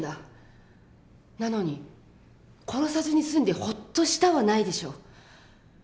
なのに「殺さずに済んでホッとした」はないでしょう。